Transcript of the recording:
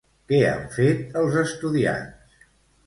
Què han fet els estudiants?